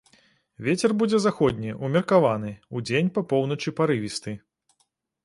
Вецер будзе заходні, умеркаваны, удзень па поўначы парывісты.